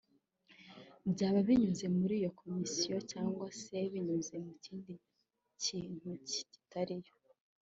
byaba binyuze muri iyo komisiyo cyangwa se binyuze mu kindi kintu kitari yo